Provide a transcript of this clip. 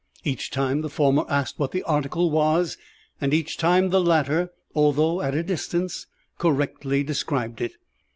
Each time the former asked what the article was, and each time the latter, although at a distance, correctly described it.